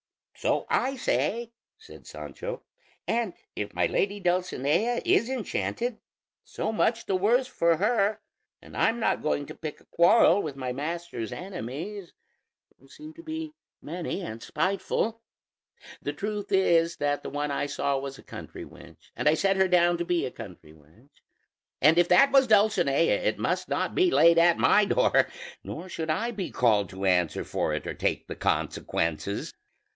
"So I say," said Sancho; "and if my lady Dulcinea is enchanted, so much the worse for her, and I'm not going to pick a quarrel with my master's enemies, who seem to be many and spiteful. The truth is that the one I saw was a country wench, and I set her down to be a country wench; and if that was Dulcinea it must not be laid at my door, nor should I be called to answer for it or take the consequences.